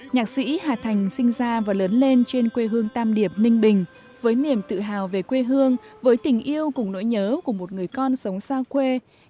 nhạc sĩ hà thành sinh ra và lớn lên trên quê hương tam điệp ninh bình với niềm tự hào về quê hương với tình yêu cùng nỗi nhớ của một người con sống xa quê